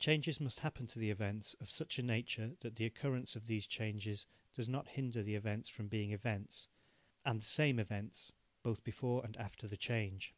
Changes must happen to the events of such a nature that the occurrence of these changes does not hinder the events from being events, and the same events, both before and after the change.